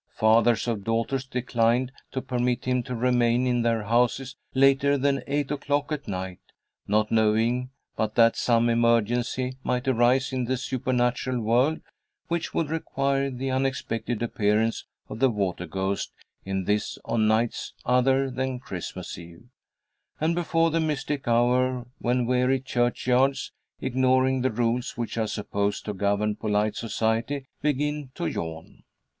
Fathers of daughters declined to permit him to remain in their houses later than eight o'clock at night, not knowing but that some emergency might arise in the supernatural world which would require the unexpected appearance of the water ghost in this on nights other than Christmas Eve, and before the mystic hour when weary churchyards, ignoring the rules which are supposed to govern polite society, begin to yawn.